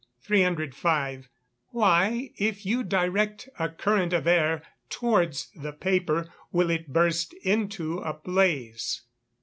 305. _Why, if you direct a current of air towards the paper, will it burst into a blaze?